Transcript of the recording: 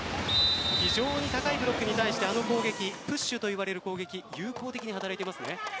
非常に高いブロックに対してあの攻撃プッシュといわれる攻撃有効的に働いていますね。